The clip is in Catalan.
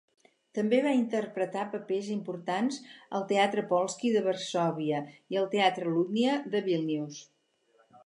També va interpretar papers importants al Teatr Polski de Varsòvia i al Teatr Lutnia de Vílnius.